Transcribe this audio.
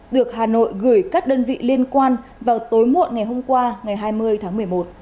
được hà nội gửi các đơn vị liên quan vào tối muộn ngày hôm qua ngày hai mươi tháng một mươi một